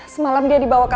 semalam dia dibawa ke